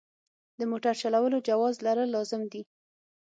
د موټر چلولو جواز لرل لازم دي.